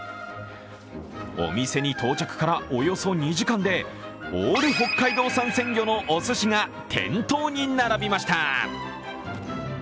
お店に到着からおよそ２時間でオール北海道産鮮魚のおすしが店頭に並びました。